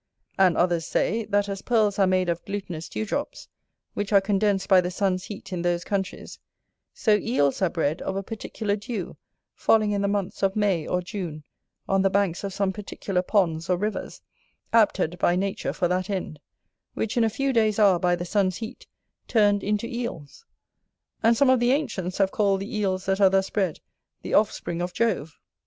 And others say, that as pearls are made of glutinous dewdrops, which are condensed by the sun's heat in those countries, so Eels are bred of a particular dew, falling in the months of May or June on the banks of some particular ponds or rivers, apted by nature for that end; which in a few days are, by the sun's heat, turned into Eels: and some of the Ancients have called the Eels that are thus bred, the offspring of Jove.